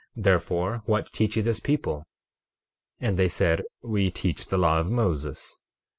Therefore, what teach ye this people? 12:28 And they said: We teach the law of Moses.